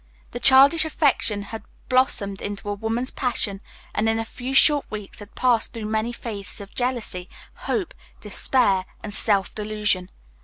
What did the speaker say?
The childish affection had blossomed into a woman's passion, and in a few short weeks had passed through many phases of jealousy, hope, despair, and self delusion.